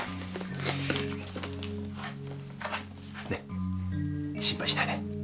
ねっ心配しないで。